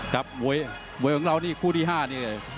ครับบุยของเรานี่คู่ที่๕นี่